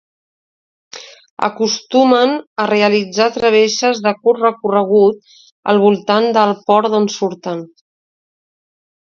Acostumen a realitzar travesses de curt recorregut al voltant del port d'on surten.